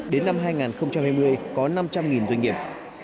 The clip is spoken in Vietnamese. đến năm hai nghìn hai mươi có năm trăm linh doanh nghiệp